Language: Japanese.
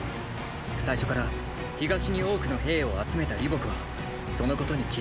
最初から東に多くの兵を集めた李牧はそのことに気付いていたのでしょう。